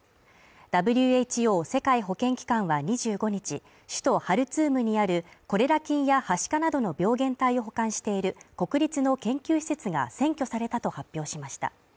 ＷＨＯ＝世界保健機関は２５日、首都ハルツームにあるコレラ菌やはしかなどの病原体を保管している国立の研究施設が占拠されたと発表しました。